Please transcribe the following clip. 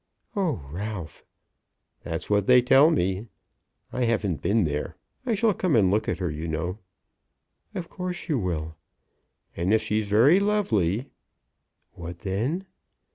"Oh, Ralph!" "That's what they tell me. I haven't been there. I shall come and look at her, you know." "Of course you will." "And if she is very lovely " "What then?"